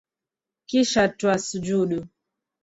Kisha twasujudu